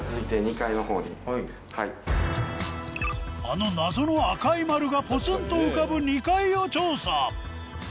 あの謎の赤い丸がポツンと浮かぶ２階を調査